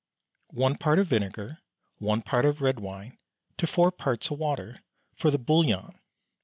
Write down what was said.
One part of vinegar, one part of red wine, to four parts of water, for the "bouillon."